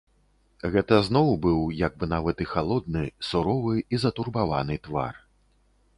Гэта зноў быў як бы нават і халодны, суровы і затурбаваны твар.